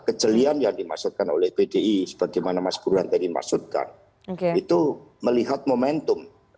kejelian yang dimaksudkan oleh pdi sebagaimana mas burhan tadi maksudkan itu melihat momentum